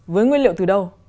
với nguyên liệu từ đâu